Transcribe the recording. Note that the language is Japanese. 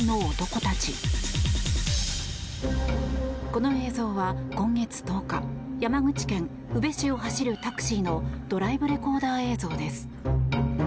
この映像は今月１０日山口県宇部市を走るタクシーのドライブレコーダー映像です。